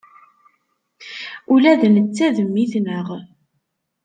Ula d netta d mmi-tneɣ.